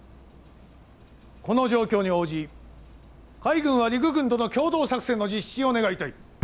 この状況に応じ海軍は陸軍との協同作戦の実施を願いたい。